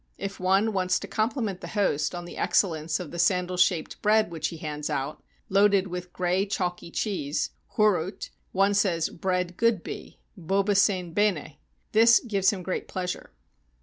If one wants to compli ment the host on the excellence of the sandal shaped bread which he hands out, loaded with gray chalky cheese (kourut), one says, "Bread good be" {Boba sein beine) ; this gives him great pleasure.